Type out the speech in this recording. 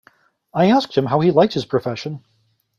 I asked him how he liked his profession.